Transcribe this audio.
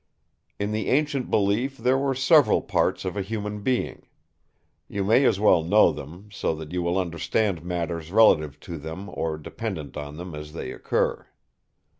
In the ancient belief there were several parts of a human being. You may as well know them; so that you will understand matters relative to them or dependent on them as they occur.